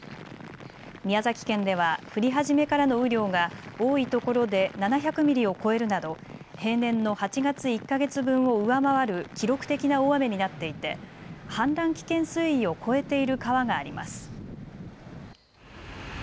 宮崎県では降り始めからの雨量が多いところで７００ミリを超えるなど平年の８月１か月分を上回る記録的な大雨になっていて氾濫危険水位を超えている川があります。